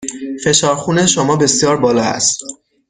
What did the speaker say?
فشار خون شما بسیار بالا است.